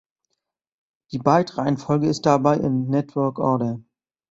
Die Bytereihenfolge ist dabei in „network order“.